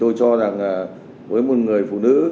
tôi cho rằng với một người phụ nữ